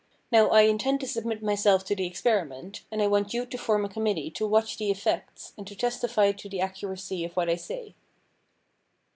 Now, I intend to submit myself to the experiment, and I want you to form a committee to watch the effects, and to testify to the accuracy of what I say.'